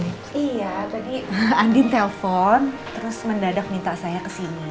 iya tadi andin telpon terus mendadak minta saya ke sini